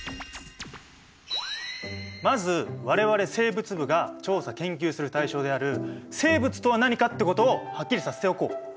まず我々生物部が調査・研究する対象である生物とは何かってことをはっきりさせておこう。